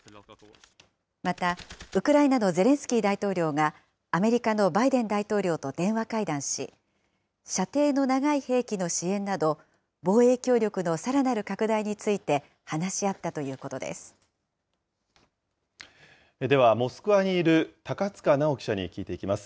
また、ウクライナのゼレンスキー大統領がアメリカのバイデン大統領と電話会談し、射程の長い兵器の支援など、防衛協力のさらなる拡大にでは、モスクワにいる高塚奈緒記者に聞いていきます。